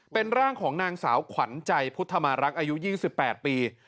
เป็นร่างของนางสาวขวัญใจพุทธมารักษ์อายุ๒๘ปี